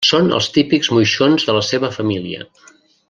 Són els típics moixons de la seva família.